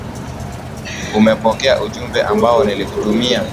Umepokea ujumbe ambao nilikutumia?